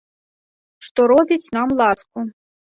Што робіць нам ласку.